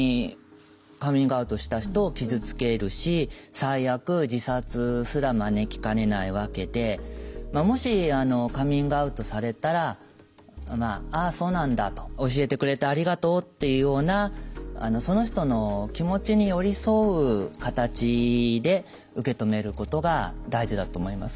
最悪自殺すら招きかねないわけでもしカミングアウトされたら「ああそうなんだ。教えてくれてありがとう」っていうようなその人の気持ちに寄り添う形で受け止めることが大事だと思います。